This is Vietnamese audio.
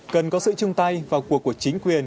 cần có sự chung tay vào cuộc của chính quyền